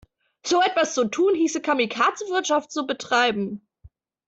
So etwas zu tun, hieße Kamikaze-Wirtschaft zu betreiben.